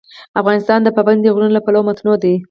افغانستان د پابندی غرونه له پلوه متنوع دی.